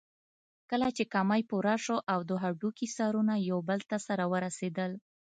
کله چې کمى پوره شو او د هډوکي سرونه يو بل ته سره ورسېدل.